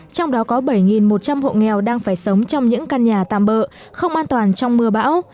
trong đó có bảy một trăm linh hộ nghèo đang phải sống trong những căn nhà tạm bỡ không an toàn trong mưa bão